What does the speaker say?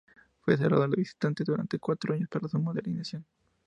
Fue cerrado a los visitantes durante cuatro años para su modernización.